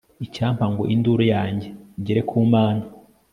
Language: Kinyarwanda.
icyampa ngo induru yanjye igere ku mana